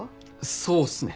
そうっすね。